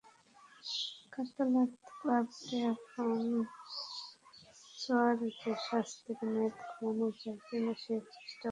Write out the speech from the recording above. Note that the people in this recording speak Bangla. কাতালান ক্লাবটি এখন সুয়ারেজের শাস্তির মেয়াদ কমানো যায় কিনা, সেই চেষ্টাও করছে।